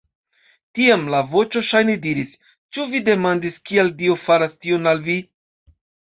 Tiam ia voĉo ŝajne diris: Ĉu vi demandis, kial Dio faras tion al vi?